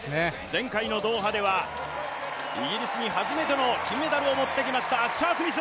前回のドーハではイギリスに初めての金メダルを持ってきましたアッシャー・スミス。